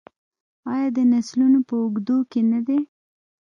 آیا د نسلونو په اوږدو کې نه دی؟